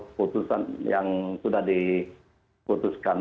keputusan yang sudah diputuskan